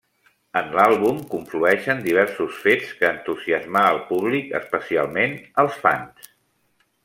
En l'àlbum conflueixen diversos fets que entusiasmar al públic, especialment als fans.